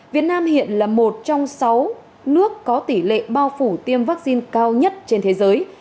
việt nam hiện là một trong sáu nước có tỷ lệ bao phủ tiêm vaccine cao nhất trên thế giới